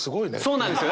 そうなんですよ！